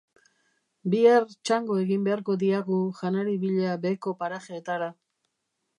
Bihar txango egin beharko diagu janari bila beheko parajeetara.